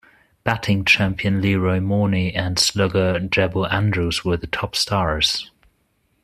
Batting champion Leroy Morney and slugger Jabbo Andrews were the top stars.